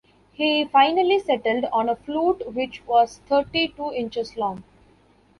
He finally settled on a flute which was thirty two inches long.